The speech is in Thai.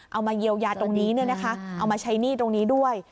เอามาเยียวยาตรงนี้เอามาใช้หนี้ตรงนี้ด้วย